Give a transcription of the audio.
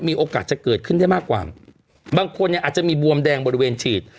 มีโอกาสจะเกิดขึ้นได้มากกว่าบางคนเนี่ยอาจจะมีบวมแดงบริเวณฉีด